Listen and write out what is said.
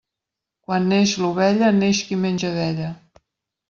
Quan neix l'ovella, neix qui menja d'ella.